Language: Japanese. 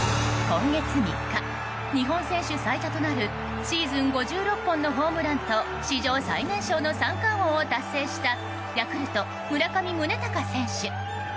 今月３日日本選手最多となるシーズン５６本のホームランと史上最年少の三冠王を達成したヤクルト、村上宗隆選手。